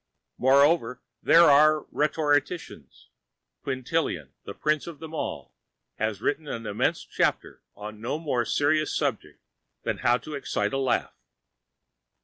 Moreover, there are the rhetoricians. Quintilian, the prince of them all, has written an immense chapter on no more serious subject than how to excite a laugh.